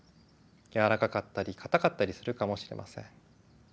やわらかかったり硬かったりするかもしれません。